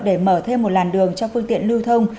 để mở thêm một làn đường cho phương tiện lưu thông